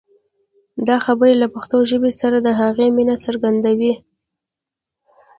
دا خبرې له پښتو ژبې سره د هغه مینه څرګندوي.